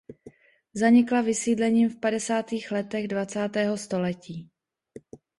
Zanikla vysídlením v padesátých letech dvacátého století.